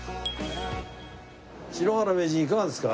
篠原名人いかがですか？